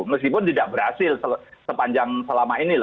meskipun tidak berhasil sepanjang selama ini